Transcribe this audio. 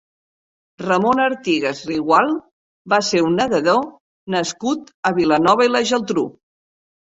Ramon Artigas Rigual va ser un nedador nascut a Vilanova i la Geltrú.